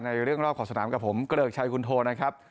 ในเรื่องรอบขอบสนามกับผมเกริกชัยคุณโทนะครับ